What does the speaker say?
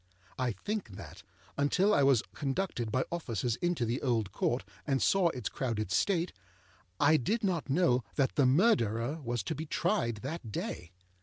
I think that, until I was conducted by officers into the Old Court and saw its crowded state, I did not know that the Murderer was to be tried that day.